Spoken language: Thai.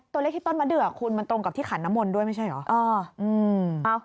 ตัวเลขที่ต้นมะเดือคุณมันตรงกับที่ขันน้ำมนต์ด้วยไม่ใช่เหรอ